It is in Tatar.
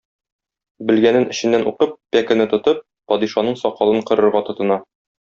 Белгәнен эченнән укып, пәкене тотып, падишаның сакалын кырырга тотына.